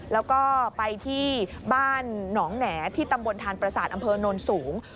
แล้วก็ไปที่บ้านหนองแหน่ที่ตำบลทานประสาทอำเภอโนนสูง